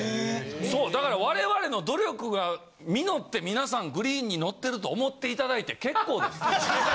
そうだから我々の努力が実って皆さんグリーンに乗ってると思っていただいて結構です。